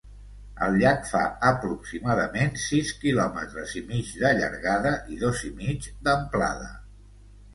El llac fa aproximadament sis quilòmetres i mig de llargada i dos i mig d'amplada.